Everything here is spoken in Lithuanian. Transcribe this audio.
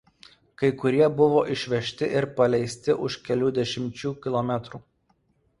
Kai kurie buvo išvežti ir paleisti už kelių dešimčių kilometrų.